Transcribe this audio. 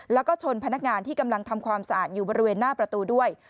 แล้วก็ชนพนักงานที่กำลังทำความสะอาดอยู่บริเวณหน้าประตูด้วย